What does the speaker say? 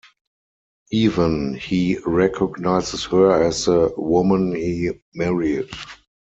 Even he recognizes her as the woman he married.